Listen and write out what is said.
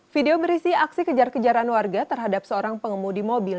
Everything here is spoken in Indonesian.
video berisi aksi kejar kejaran warga terhadap seorang pengemudi mobil